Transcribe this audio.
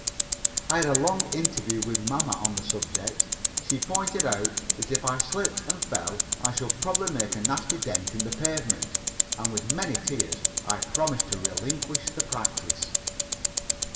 I had a long interview with mamma on the subject. She pointed out that if I slipped and fell I should probably make a nasty dent in the pavement, and with many tears I promised to relinquish the practice.